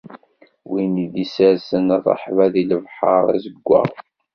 Win i d-issersen rrehba di lebḥer azeggwaɣ.